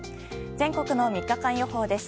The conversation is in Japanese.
全国の３日間予報です。